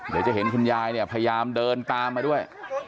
เดี๋ยวจะเห็นคุณยายเนี่ยพยายามเดินตามมาด้วย